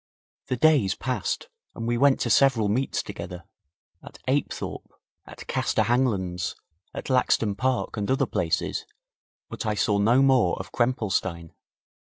The days passed and we went to several meets together at Apethorpe, at Castor Hanglands, at Laxton Park and other places, but I saw no more of Krempelstein.